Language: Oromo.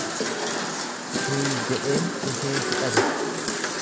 Sii jedheen dhufee si dhabe.